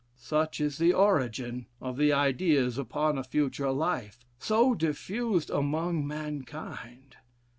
Such is the origin of the ideas upon a future life, so diffused among mankind.